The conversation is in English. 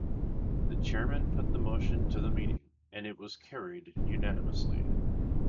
The chairman put the motion to the meeting and it was carried unanimously.